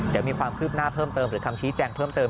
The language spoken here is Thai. เดี๋ยวมีความคืบหน้าเพิ่มเติมหรือคำชี้แจงเพิ่มเติม